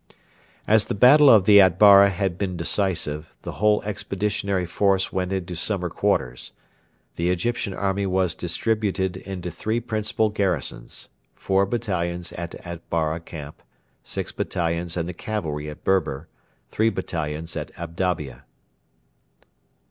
.......... As the battle of the Atbara had been decisive, the whole Expeditionary Force went into summer quarters. The Egyptian army was distributed into three principal garrisons four battalions at Atbara camp, six battalions and the cavalry at Berber, three battalions at Abadia.